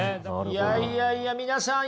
いやいやいや皆さん